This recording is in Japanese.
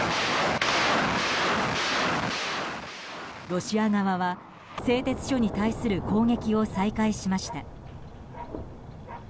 ロシア側は製鉄所に対する攻撃を再開しました。